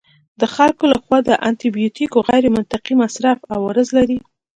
د خلکو لخوا د انټي بیوټیکو غیرمنطقي مصرف عوارض لري.